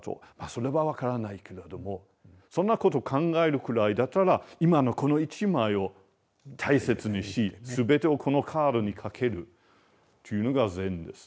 それは分からないけれどもそんなこと考えるくらいだったら今のこの１枚を大切にし全てをこのカードにかけるというのが禅ですね。